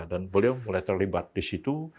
beliau mulai terlibat di situ